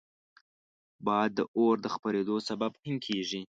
باد د اور د خپرېدو سبب هم کېږي